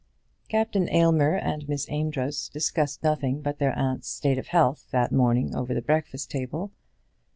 Captain Aylmer and Miss Amedroz discussed nothing but their aunt's state of health that morning over the breakfast table.